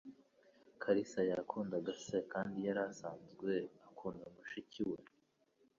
Kalisa yakundaga se kandi yari asanzwe akunda mushiki we.